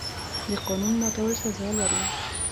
د قانون ماتول سزا لري.